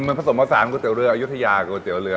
พัสสมผสานก๋วยเต๋วเรืออยุธยาก๋วเต๋วเรือ